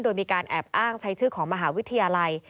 โดยมีการแอบอ้างใช้ชื่อของมหาวิทยาลัย